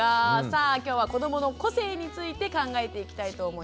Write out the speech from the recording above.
さあきょうは「子どもの個性」について考えていきたいと思います。